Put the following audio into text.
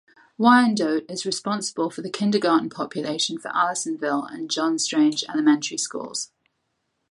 Wyandotte is responsible for the kindergarten population for Allisonville and John Strange elementary schools.